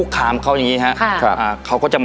ครับ